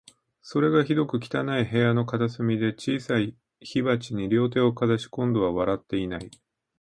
それが、ひどく汚い部屋の片隅で、小さい火鉢に両手をかざし、今度は笑っていない